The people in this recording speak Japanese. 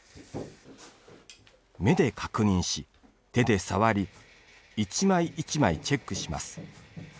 目で確認し、手で触り一枚一枚チェックします。